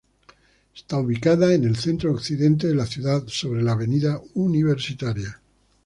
Está ubicada en el centro-occidente de la ciudad, sobre la Avenida Universitaria.